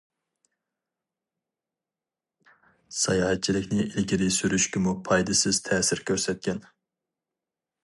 ساياھەتچىلىكنى ئىلگىرى سۈرۈشكىمۇ پايدىسىز تەسىر كۆرسەتكەن.